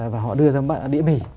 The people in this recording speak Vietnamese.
và họ đưa ra một đĩa mì